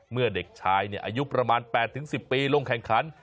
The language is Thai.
เมื่อเด็กชายอายุประมาณ๘๑๐ปีลงแข่งขัน